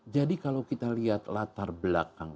kalau kita lihat latar belakang